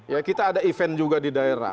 ya kita ada event juga di daerah